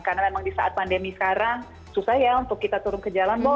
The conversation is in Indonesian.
karena memang di saat pandemi sekarang susah ya untuk kita turun ke jalan boh